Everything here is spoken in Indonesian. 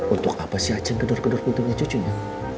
untuk apa si achen kedor kedor putrinya cucunya